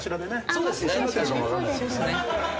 そうですよね。